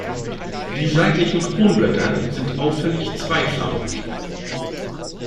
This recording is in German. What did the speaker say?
Die seitlichen Kronblätter sind auffällig zweifarbig.